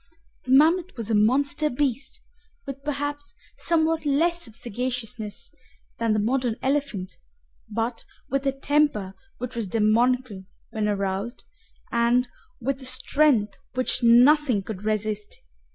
The mammoth was a monster beast, with perhaps somewhat less of sagaciousness than the modern elephant, but with a temper which was demoniacal when aroused, and with a strength which nothing could resist.